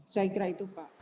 saya kira itu pak